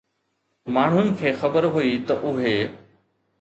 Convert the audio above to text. ماڻهن کي خبر هئي ته اهي